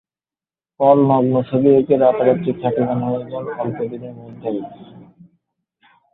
পল নগ্ন ছবি এঁকে রাতারাতি খ্যাতিমান হয়ে যান অল্প দিনের মধ্যেই।